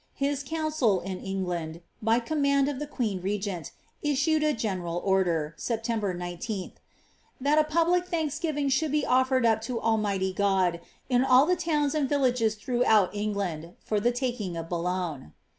His coun m^ in England, by command of the queen regent^ issued a general order, ieptember 19, ^^that a public thanksgiving should be offered up to Al nighty God, in all the towns and villages throughout England, for the aking of Boulogne.